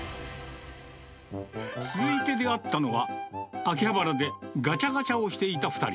続いて出会ったのは、秋葉原でガチャガチャをしていた２人。